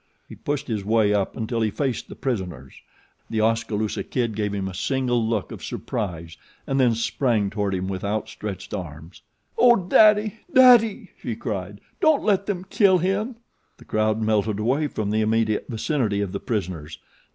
He pushed his way up until he faced the prisoners. The Oskaloosa Kid gave him a single look of surprise and then sprang toward him with outstretched arms. "Oh, daddy, daddy!" she cried, "don't let them kill him." The crowd melted away from the immediate vicinity of the prisoners.